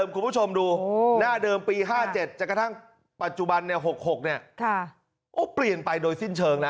คุณผู้ชมดูหน้าเดิมปี๕๗จนกระทั่งปัจจุบัน๖๖เปลี่ยนไปโดยสิ้นเชิงนะ